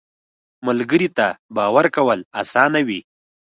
ملګری ته باور کول اسانه وي